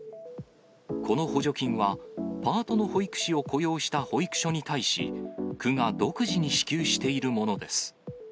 この補助金は、パートの保育士を雇用した保育所に対し、区が独自に支給しているものです。